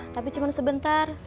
tapi cuman sebentar